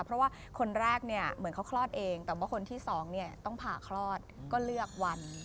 เพราะว่าคนแรกเนี่ยเหมือนเขาคลอดเองแต่ว่าคนที่สองเนี่ยต้องผ่าคลอดก็เลือกวัน